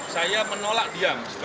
saya menolak diam